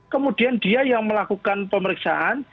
kemudian dia yang melakukan pemeriksaan